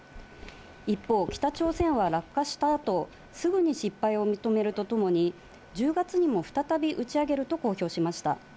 一方、北朝鮮は落下したあと、すぐに失敗を認めるとともに、１０月にも再び打ち上げると公表しました。